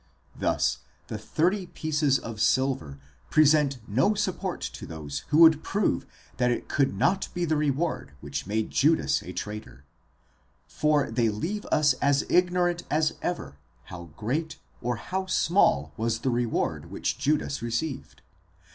12 Thus the ¢hirty pieces of silver, τριάκοντα ἀργύρια, present no support to those who would prove that it could not be the reward which made Judas a traitor; for they leave us as ignorant as ever how great or how small was the reward which Judas received.